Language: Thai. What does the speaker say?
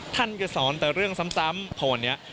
ท่านจะสอนแต่เรื่องซ้ำพอวันนี้